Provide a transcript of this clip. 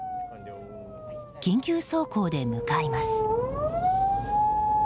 緊急走行で向かいます。